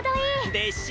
でしょ？